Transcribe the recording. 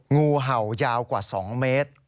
งูเห่ายาวกว่า๒เมตร